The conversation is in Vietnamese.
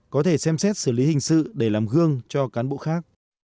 có thể xem xét xử lý hình sự để làm gương cho cán bộ khác